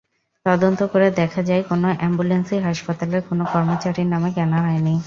তদন্ত করে দেখা যায়, কোনো অ্যাম্বুলেন্সই হাসপাতালের কোনো কর্মচারীর নামে কেনা হয়নি।